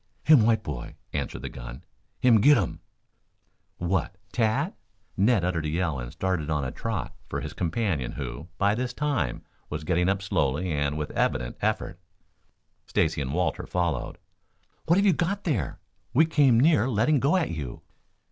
"Him white boy," answered the Indian. "Him git um." "What, Tad?" Ned uttered a yell and started on a trot for his companion who, by this time, was getting up slowly and with evident effort. Stacy and Walter followed. "What have you got there? We came near letting go at you."